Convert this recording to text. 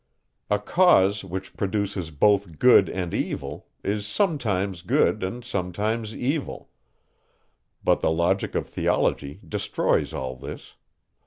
A cause, which produces both good and evil, is sometimes good, and sometimes evil. But the logic of theology destroys all this.